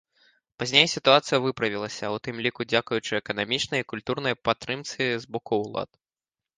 Пазней сітуацыя выправілася, у тым ліку дзякуючы эканамічнай і культурнай падтрымцы з боку ўлад.